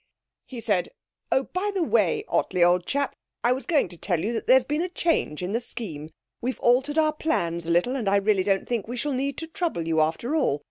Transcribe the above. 'He said, "Oh, by the way, Ottley, old chap, I was going to tell you there's been a change in the scheme. We've altered our plans a little, and I really don't think we shall need to trouble you after all.